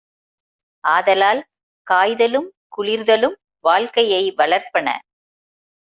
ஆதலால், காய்தலும் குளிர்தலும் வாழ்க்கையை வளர்ப்பன.